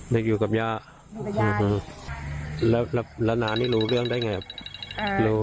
เด็กอยู่กับย่าอยู่กับย่าแล้วแล้วนานี่รู้เรื่องได้ไงครับ